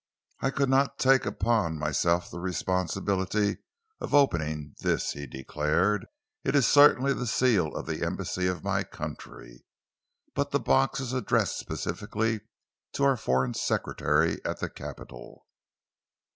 "I could not take upon myself the responsibility of opening this," he declared. "It is certainly the seal of the Embassy of my country, but the box is addressed specifically to our Foreign Secretary at the Capital."